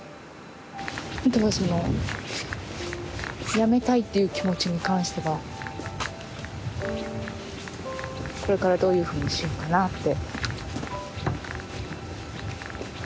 辞めたいっていう気持ちに関してはこれからどういうふうにしようかなって？